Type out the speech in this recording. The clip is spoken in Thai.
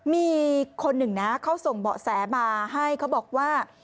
มีคนหนึ่งนะเขาส่งเบาะแสมาให้เขาบอกว่า